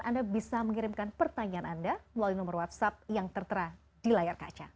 anda bisa mengirimkan pertanyaan anda melalui nomor whatsapp yang tertera di layar kaca